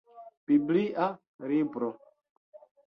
Biblia libro.